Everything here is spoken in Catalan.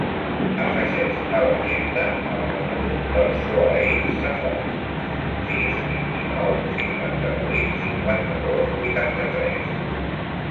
Afegeix a l'agenda el número del Sohaib Safont: sis, vint-i-nou, cinquanta-vuit, cinquanta-dos, vuitanta-tres.